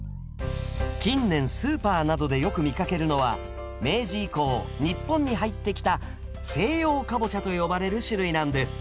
近年スーパーなどでよく見かけるのは明治以降日本に入ってきた西洋カボチャと呼ばれる種類なんです。